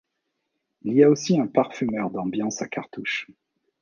Il y a aussi un parfumeur d'ambiance à cartouche.